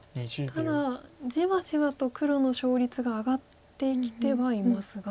ただじわじわと黒の勝率が上がってきてはいますが。